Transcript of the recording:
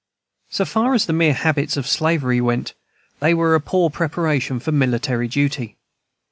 So far as the mere habits of slavery went, they were a poor preparation for military duty.